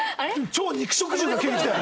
超肉食獣が急に来たよ。